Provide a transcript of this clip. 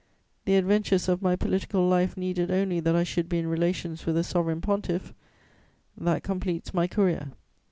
The adventures of my political life needed only that I should be in relations with a sovereign pontiff; that completes my career.